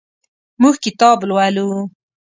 موږ کتاب لولو.